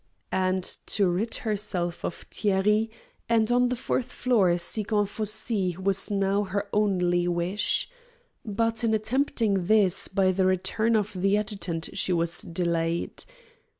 And to rid herself of Thierry and on the fourth floor seek Anfossi was now her only wish. But, in attempting this, by the return of the adjutant she was delayed.